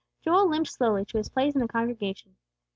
Joel limped slowly to his place in the congregation.